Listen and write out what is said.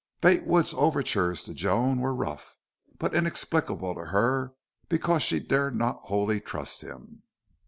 Bate Wood's overtures to Joan were rough, but inexplicable to her because she dared not wholly trust him.